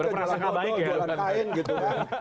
jualan kain gitu